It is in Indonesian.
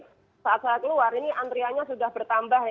jadi saat saya keluar antriannya sudah bertambah